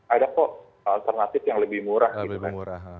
ada kok alternatif yang lebih murah gitu kan